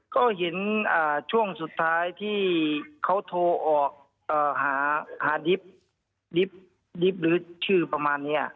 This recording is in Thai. ก็เห็นช่วงสุดท้ายที่เขาโทรออกหาดิบหรือชื่อประมาณนี้